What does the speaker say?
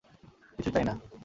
কিছু চাই না।